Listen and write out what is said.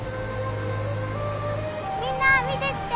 みんな見て見て！